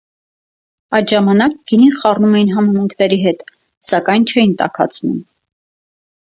Այդ ժամանակ գինին խառնում էին համեմունքների հետ, սակայն չէին տաքացնում։